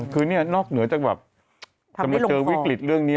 คือนี่นอกเหนือจากแบบจะมาเจอวิกฤตเรื่องนี้